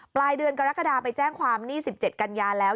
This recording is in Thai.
ปลายเดือนกรกฎาไปแจ้งความนี่๑๗กันยาแล้ว